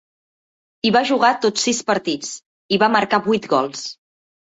Hi va jugar tots sis partits, i hi va marcar vuit gols.